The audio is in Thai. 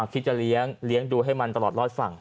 คิดจะเลี้ยงดูให้มันตลอดรอดฝั่ง